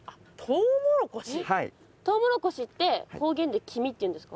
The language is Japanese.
トウモロコシって方言で「きみ」っていうんですか。